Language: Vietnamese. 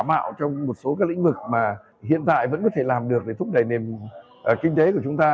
mạo trong một số các lĩnh vực mà hiện tại vẫn có thể làm được để thúc đẩy nền kinh tế của chúng ta